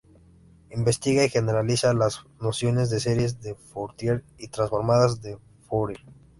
Investiga y generaliza las nociones de series de Fourier y transformadas de Fourier.